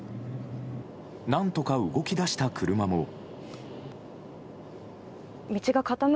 何とか動き出した車も。